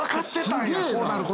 すげえな。